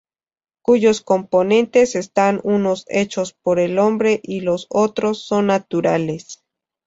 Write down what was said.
Cuyos componentes están unos hechos por el hombre y los otros son naturales.